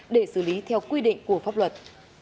để xử lý theo quy định của pháp luật